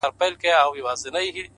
مهرباني د اړیکو واټن لنډوي!